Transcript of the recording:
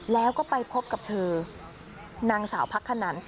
แล้วก็ไปพบกับเธอนางสาวพักขนัน